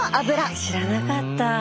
へえ知らなかった。